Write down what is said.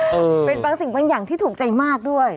เป็นบางสิ่งที่ถูกใจมากด้วย